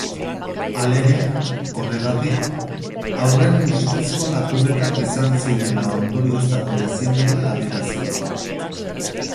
Halere, horregatik haurren ustezko lapurretak izan zirela ondorioztatu ezin dela adierazi du.